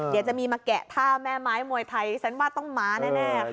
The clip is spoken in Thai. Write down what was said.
เดี๋ยวจะมีมาแกะท่าแม่ไม้มวยไทยฉันว่าต้องม้าแน่ค่ะ